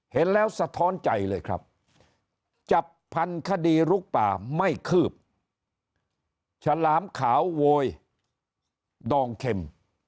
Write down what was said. เห็นแล้วสะท้อนใจเลยครับจับพันคดีลุกป่าไม่คืบฉลามขาวโวยดองเข็ม